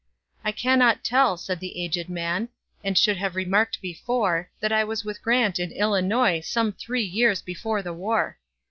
"I cannot tell," said the aged man,"And should have remarked before, That I was with Grant,—in Illinois,—Some three years before the war."